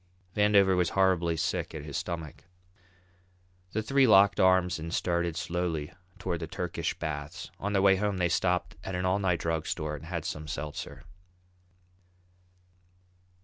Vandover was horribly sick at his stomach. The three locked arms and started slowly toward the Turkish baths. On their way they stopped at an all night drug store and had some seltzer.